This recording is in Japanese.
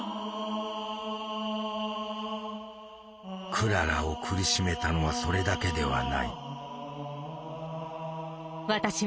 クララを苦しめたのはそれだけではない。